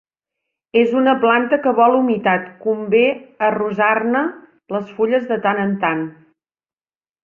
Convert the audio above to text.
És una planta que vol humitat: convé arrosar-ne les fulles de tant en tant.